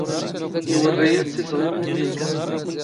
ⵉⵡⵔⵔⵉⵢⴰⵜ ⵙ ⵉⵙⵖⵉⵎⵏ ⵏⵏⵓⵏ.